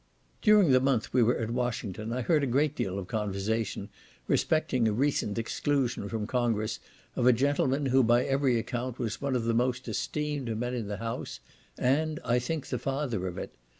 During the month we were at Washington, I heard a great deal of conversation respecting a recent exclusion from Congress of a gentleman, who, by every account, was one of the most esteemed men in the house, and, I think, the father of it.